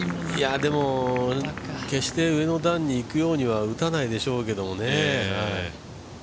でも、決して上の段にいくようには打たないでしょうけども。